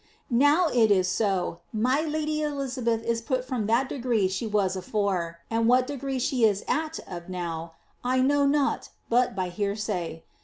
Now it is so, my lady Elizabeth is put from that degree she was afore, and what degree she is at (of) now, I know not but by hearsay.